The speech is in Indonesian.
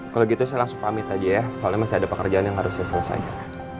kalau gitu saya langsung pamit aja ya soalnya masih ada pekerjaan yang harus saya selesaikan